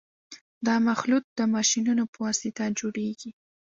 دا مخلوط د ماشینونو په واسطه جوړیږي